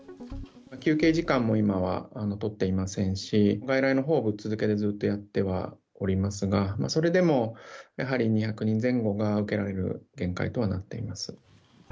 休憩時間も今は取っていませんし、外来のほうをぶっ続けでやってはおりますが、それでもやはり２００人前後が受けられる限界とはなっています。